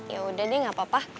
yaudah deh gak apa apa